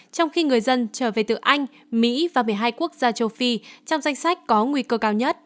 trong khi người dân trở về từ anh mỹ và một mươi hai quốc gia châu phi trong danh sách có nguy cơ cao nhất